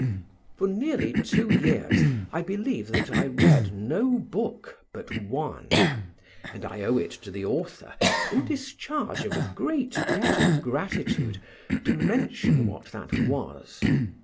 For nearly two years I believe that I read no book, but one; and I owe it to the author, in discharge of a great debt of gratitude, to mention what that was.